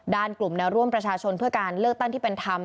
กลุ่มแนวร่วมประชาชนเพื่อการเลือกตั้งที่เป็นธรรม